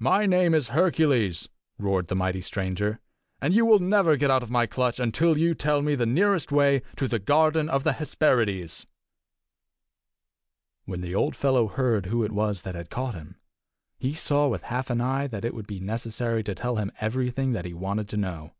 "My name is Hercules!" roared the mighty stranger, "and you will never get out of my clutch until you tell me the nearest way to the garden of the Hesperides." When the old fellow heard who it was that had caught him, he saw with half an eye that it would be necessary to tell him everything that he wanted to know.